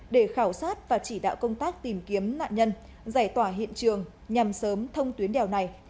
để khảo sát và chỉ đạo công tác tìm kiếm nạn nhân giải tỏa hiện trường nhằm sớm thông tuyến đèo này